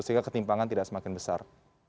sehingga ketimpangan tidak semakin besar